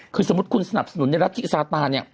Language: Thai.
คือสมมุติคุณสนับสนุนในรัฐธิซาตานเนี่ย